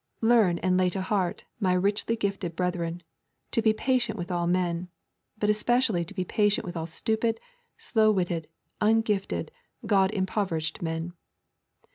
Learn and lay to heart, my richly gifted brethren, to be patient with all men, but especially to be patient with all stupid, slow witted, ungifted, God impoverished men.